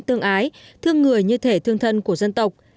tương ái thương người như thể thương thân của dân tộc